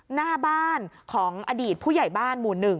หน้าบ้านของอดีตผู้ใหญ่บ้านหมู่๑